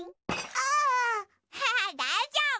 アハハだいじょうぶ。